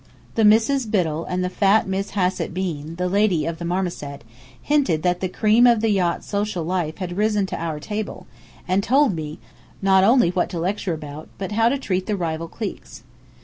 The Misses Biddell and fat Miss Hassett Bean (the lady of the marmoset) hinted that the cream of the yacht's social life had risen to our table, and told me, not only what to lecture about, but how to treat the rival cliques.